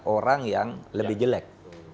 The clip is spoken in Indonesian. orang yang lebih jelek